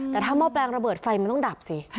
แต่ถ้าหม้อแปลงระเบิดไฟมันต้องดับสิ